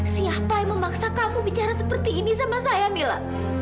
siapa yang memaksa kamu bicara seperti ini sama saya mila